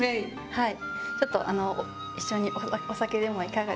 はい。